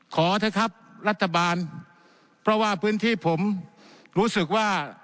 ขอครับรัฐบาลเพราะปืนที่ผมรู้สึกว่า